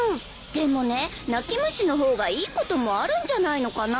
でもね泣き虫の方がいいこともあるんじゃないのかな。